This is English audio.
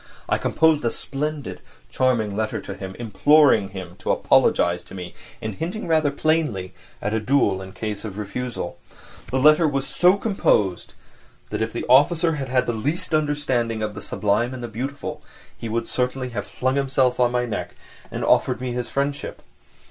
I composed a splendid, charming letter to him, imploring him to apologise to me, and hinting rather plainly at a duel in case of refusal. The letter was so composed that if the officer had had the least understanding of the sublime and the beautiful he would certainly have flung himself on my neck and have offered me his friendship.